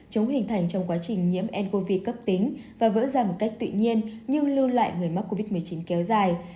chúng hình thành trong quá trình nhiễm ncov cấp tính và vỡ ra một cách tự nhiên nhưng lưu lại người mắc covid một mươi chín kéo dài